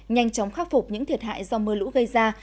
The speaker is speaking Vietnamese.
nhanh chóng khắc phục những thiệt hại do mưa lũ gây ra